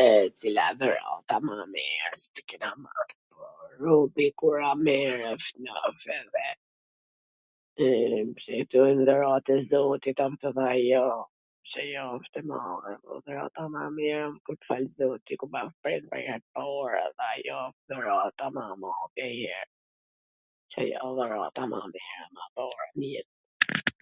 e, cila a dhurata mw e mir qw kena marr. ... dhurata ma e mir asht ajo kur bahet pwr her t par